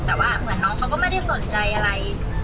แต่ว่าเหมือนน้องเขาก็ไม่ได้สนใจอะไร